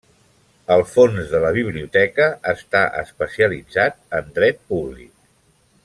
El fons de la biblioteca està especialitzat en dret públic.